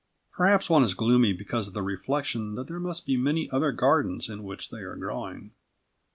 Perhaps one is gloomy because of the reflection that there must be many other gardens in which they are growing.